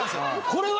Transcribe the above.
これは。